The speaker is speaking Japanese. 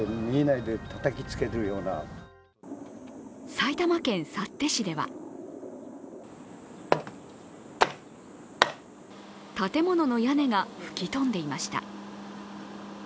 埼玉県幸手市では建物の屋根が吹き飛んでいました。